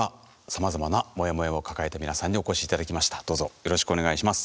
よろしくお願いします。